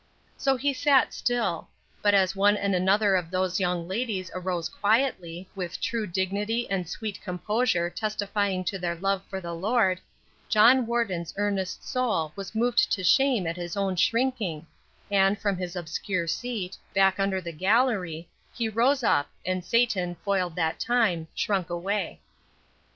So he sat still; but as one and another of those young ladies arose quietly, with true dignity and sweet composure testifying to their love for the Lord, John Warden's earnest soul was moved to shame at his own shrinking, and from his obscure seat, back under the gallery, he rose up, and Satan, foiled that time, shrunk away.